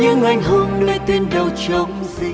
nhưng anh hôn lời tuyên đấu trong gì